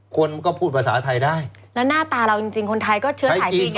คนก็พูดภาษาไทยได้แล้วหน้าตาเราจริงจริงคนไทยก็เชื้อสายจีนไง